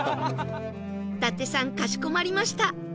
伊達さんかしこまりました